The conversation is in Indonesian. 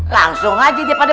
langsung aja dia pada